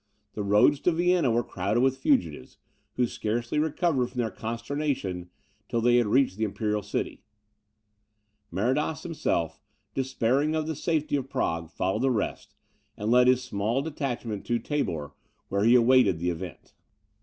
The roads to Vienna were crowded with fugitives, who scarcely recovered from their consternation till they reached the imperial city. Maradas himself, despairing of the safety of Prague, followed the rest, and led his small detachment to Tabor, where he awaited the event.